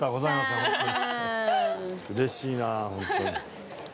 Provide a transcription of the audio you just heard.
うれしいな本当に。